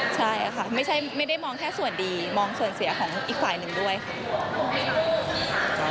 ใช่ค่ะไม่ได้มองแค่ส่วนดีมองส่วนเสียของอีกฝ่ายหนึ่งด้วยค่ะ